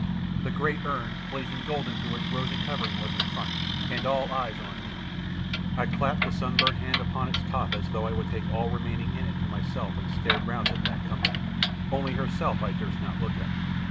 The great urn, blazing golden, through its rosy covering, was in front, and all eyes on me. I clapped a sunburnt hand upon its top as though I would take all remaining in it to myself and stared round at that company only her herself I durst not look at!